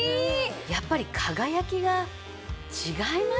やっぱり輝きが違いますね。